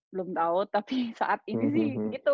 belum tahu tapi saat ini sih gitu